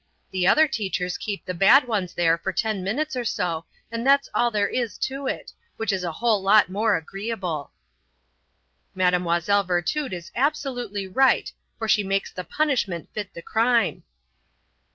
The other teachers keep the bad ones there for ten minutes or so, and that's all there is to it, which is a whole lot more agreeable." "Mlle. Virtud is absolutely right, for she makes the punishment fit the crime."